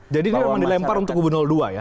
jadi dia memang dilempar untuk kubu dua ya